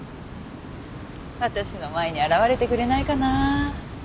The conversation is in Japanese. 私の前に現れてくれないかな？